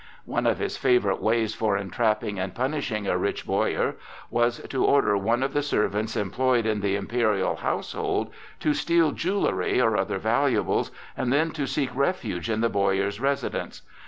One of his favorite ways for entrapping and punishing a rich boyar was to order one of the servants employed in the imperial household to steal jewelry or other valuables, and then to seek refuge in the boyar's residence.